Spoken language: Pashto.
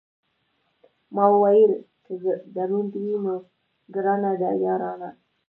ما ویل که دروند وي، نو ګرانه ده یارانه.